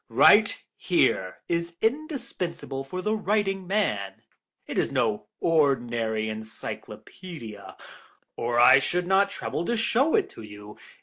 Right Here is indispensable for the writing man; it is no ordinary encyclopædia, or I should not trouble to show it to you.